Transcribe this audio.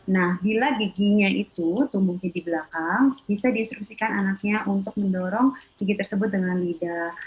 nah bila giginya itu tumbuh gigi belakang bisa diinstruksikan anaknya untuk mendorong gigi tersebut dengan lidah